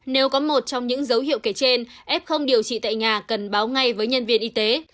nếu có một trong những dấu hiệu kể trên f không điều trị tại nhà cần báo ngay với nhân viên y tế